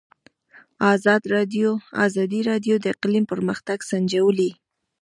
ازادي راډیو د اقلیم پرمختګ سنجولی.